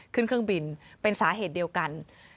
เครื่องบินเป็นสาเหตุเดียวกัน